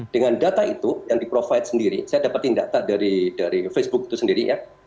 dengan data itu yang di provide sendiri saya dapatin data dari facebook itu sendiri ya